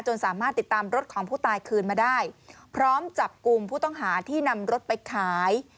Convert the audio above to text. สามารถติดตามรถของผู้ตายคืนมาได้พร้อมจับกลุ่มผู้ต้องหาที่นำรถไปขาย